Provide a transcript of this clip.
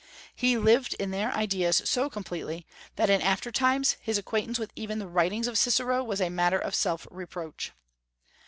He lived in their ideas so completely, that in after times his acquaintance with even the writings of Cicero was a matter of self reproach.